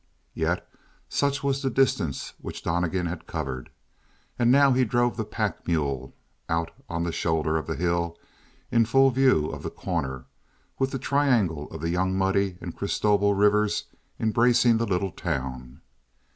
Yet such was the distance which Donnegan had covered, and now he drove the pack mule out on the shoulder of the hill in full view of The Corner with the triangle of the Young Muddy and Christobel Rivers embracing the little town.